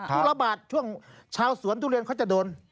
ธุระบาทช่วงชาวสวนทุเรียนเขาจะโดน